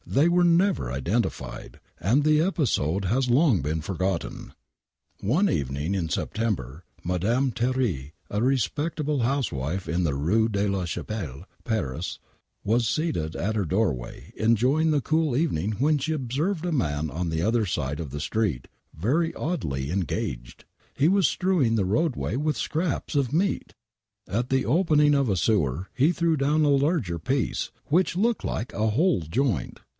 They were never identified, and the episode has long been forgotten ! One evening in September Madame Thierry, a respectable housewife in the Eue rJ.e la Chapelle, Paris, was seated at her doorway enjoying the cool evening when she observed a man on the other side of the street very oddly engaged. He was strewing the roadway with scraps of meat ! At the opening of a sewer he threw down a larger piece, which looked like a whole joint